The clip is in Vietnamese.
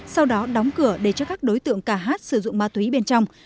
sau đó đóng cửa để cho các đối tượng ca hát sử dụng ma túy bên trong